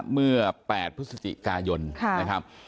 เมื่อ๘พฤศจิกายนนะครับ